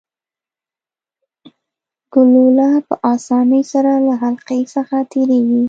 ګلوله په اسانۍ سره له حلقې څخه تیریږي.